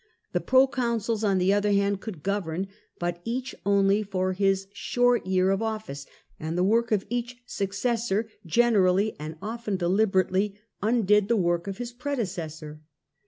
The proconsuls, on the other hand, could govern, but each only for his short year of office, and the woi^k of each successor gener ally (and often deliberately) undid the work of his pre decessor.